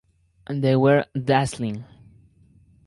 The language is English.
They were dazzling.